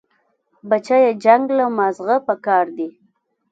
بچيه جنگ له مازغه پکار دي.